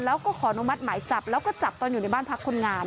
แล้วก็ขออนุมัติหมายจับแล้วก็จับตอนอยู่ในบ้านพักคนงาน